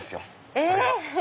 えっ⁉